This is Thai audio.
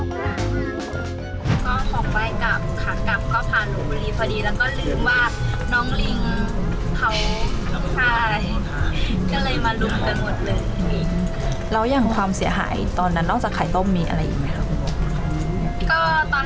ก็เลยมาลุบเป็นหมดเลยเอี่ยงเราอยากความเสียหายตอนนั้นนอกจากขายต้มมีอะไรอย่าง